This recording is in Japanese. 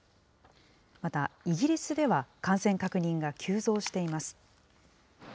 また、イギリスでは感染確認が急増しています。